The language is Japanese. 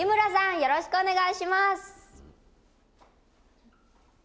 よろしくお願いします。